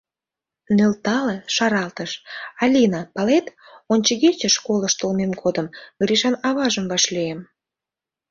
Нӧлтале, шаралтыш: «Алина, палет, ончыгече школыш толмем годым Гришан аважым вашлийым.